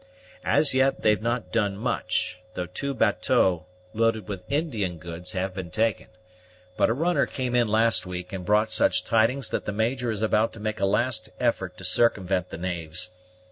As yet they've not done much, though two bateaux loaded with Indian goods have been taken; but a runner came in last week, and brought such tidings that the Major is about to make a last effort to circumvent the knaves.